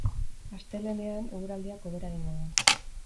Astelehenean, eguraldiak hobera egingo du.